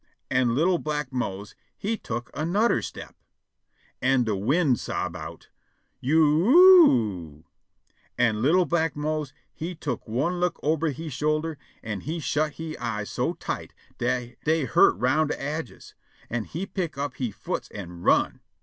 An' li'l' black Mose he tuck anudder step. An' de wind sob' out, "You you o o o!" An' li'l' black Mose he tuck one look ober he shoulder, an' he shut he eyes so tight dey hurt round de aidges, an' he pick' up he foots an' run.